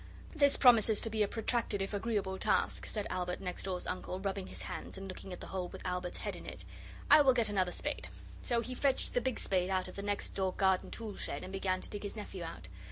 'This promises to be a protracted if agreeable task,' said Albert next door's uncle, rubbing his hands and looking at the hole with Albert's head in it. 'I will get another spade,' so he fetched the big spade out of the next door garden tool shed, and began to dig his nephew out.